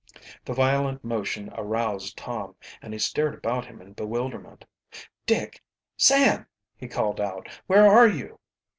The violent motion aroused Tom, and he stared about him in bewilderment. "Dick! Sam!" he called out. "Where are you?"